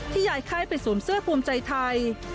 ย้ายค่ายไปสวมเสื้อภูมิใจไทย